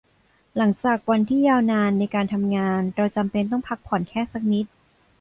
หลังจากวันที่ยาวนานในการทำงาน เราจำเป็นต้องพักผ่อนแค่สักนิด